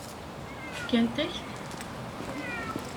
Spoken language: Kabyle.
Fkant-ak-t?